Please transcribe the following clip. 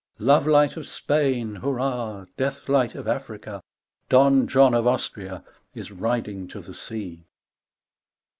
Love light of Spain hurrah I Death light of Africa 1 Don John of Austria Is riding to the sea.